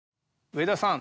上田さん